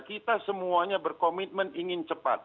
kita semuanya berkomitmen ingin cepat